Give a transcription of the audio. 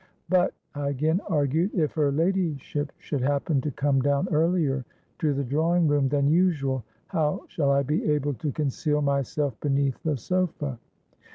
—'But,' I again argued, 'if her ladyship should happen to come down earlier to the drawing room than usual, how shall I be able to conceal myself beneath the sofa?'